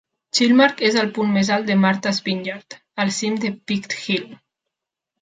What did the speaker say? Chilmark és el punt més alt de Martha's Vineyard, al cim de Peaked Hill.